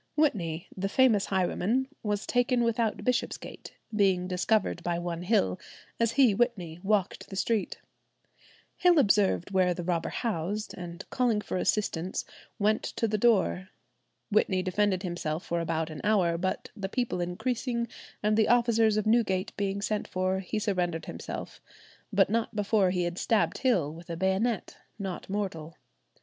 Whitney, the famous highwayman, was taken without Bishopsgate, being "discovered by one Hill, as he (Whitney) walked the street. Hill observed where the robber 'housed,' and calling for assistance, went to the door." Whitney defended himself for about an hour, but the people increasing, and the officers of Newgate being sent for, he surrendered himself, but not before he had stabbed Hill with a bayonet, "not mortal."